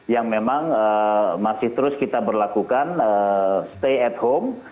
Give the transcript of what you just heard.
yang memang masih terus kita berlakukan stay at home